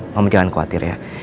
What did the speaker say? mama jangan khawatir ya